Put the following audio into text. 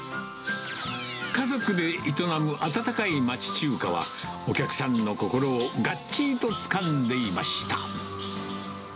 家族で営む温かい町中華は、お客さんの心をがっちりとつかんでいました。